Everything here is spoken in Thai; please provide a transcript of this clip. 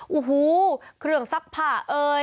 อู้หู้เครื่องซักผ่าเอ๋ย